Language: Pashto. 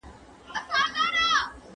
اوس دي د ميني په نوم باد د شپلۍ ږغ نه راوړي